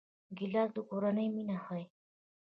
ګیلاس د کورنۍ مینه ښيي.